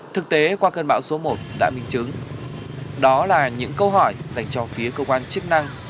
thực tế qua cơn bão số một đã minh chứng đó là những câu hỏi dành cho phía cơ quan chức năng